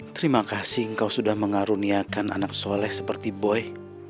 terima kasih engkau sudah mengaruniakan anak soleh seperti boy